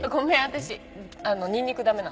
私ニンニクダメなの。